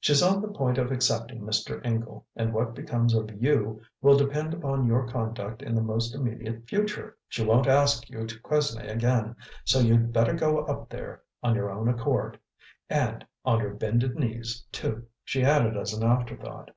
She's on the point of accepting Mr. Ingle, and what becomes of YOU will depend on your conduct in the most immediate future. She won't ask you to Quesnay again, so you'd better go up there on your own accord. And on your bended knees, too!" she added as an afterthought.